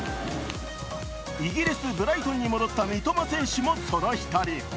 イギリス・ブライトンに戻った三笘選手もその１人。